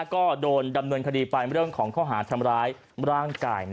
ก็โดนดำเนินคดีไปเรื่องของข้อหาทำร้ายร่างกาย